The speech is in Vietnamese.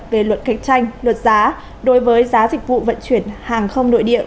về luật cạnh tranh luật giá đối với giá dịch vụ vận chuyển hàng không nội địa